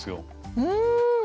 うん！